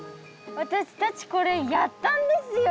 私たちこれやったんですよ